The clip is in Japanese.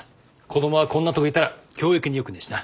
子どもはこんなとこいたら教育によくねえしな。